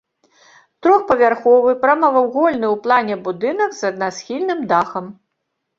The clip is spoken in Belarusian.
Трохпавярховы прамавугольны ў плане будынак з аднасхільным дахам.